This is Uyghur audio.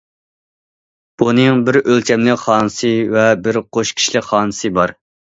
بۇنىڭ بىر ئۆلچەملىك خانىسى ۋە بىر قوش كىشىلىك خانىسى بار.